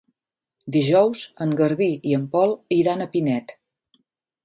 Dijous en Garbí i en Pol iran a Pinet.